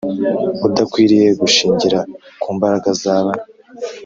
Udakwiriye gushingira ku mbaraga zaba